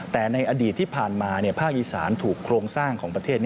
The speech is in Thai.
แต่ในอดีตที่ผ่านมาภาคอีสานถูกโครงสร้างของประเทศ